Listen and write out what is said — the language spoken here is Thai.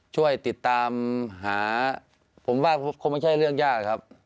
ช่วยติดตามหาผมว่าคงไม่ใช่เรื่องยากครับ